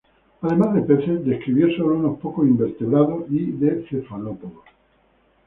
Además de peces, describió sólo unos pocos invertebrados, y de cefalópodos.